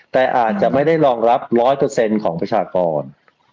แต่อาจจะไม่ได้รองรับ๑๐๐ของประชากร